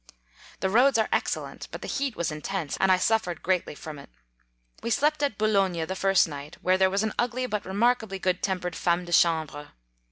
The roads are excellent, but the heat was intense, and I suffered greatly from it. We slept at Boulogne the first night, where there was an ugly but re markably good tempered femme de chambre.